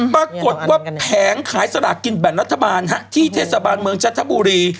ปรากฏว่าแผงขายสลากกินแบ่งรัฐบาลที่เทศบาลเมืองจันทบุรี